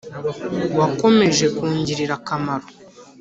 wakomeje kungirira akamaro.